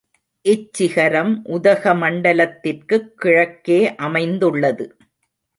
இச்சிகரம் உதகமண்டலத்திற்குக் கிழக்கே அமைந்துள்ளது.